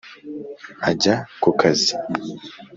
ajya ku kazi !!